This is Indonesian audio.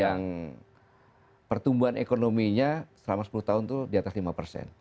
yang pertumbuhan ekonominya selama sepanjang tahun itu adalah yang paling penting untuk kita